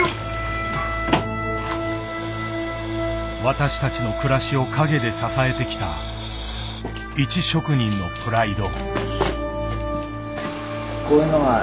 私たちの暮らしを陰で支えてきた一職人のプライド。